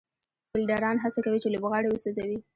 فېلډران هڅه کوي، چي لوبغاړی وسوځوي.